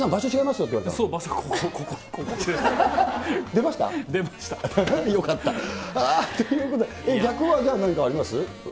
よかった。ということで、逆はじゃあ、何かあります？